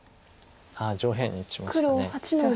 上辺に打ちました。